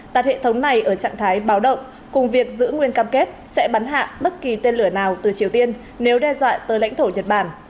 đặt hệ thống này ở trạng thái báo động cùng việc giữ nguyên cam kết sẽ bắn hạ bất kỳ tên lửa nào từ triều tiên nếu đe dọa tới lãnh thổ nhật bản